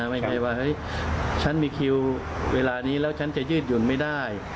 ไม่ใช่ว่าเฮ้ยฉันมีคิวเวลานี้แล้วฉันจะยืดหยุ่นไม่ได้